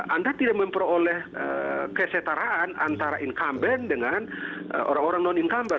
anda tidak memperoleh kesetaraan antara income bank dengan orang orang non income bank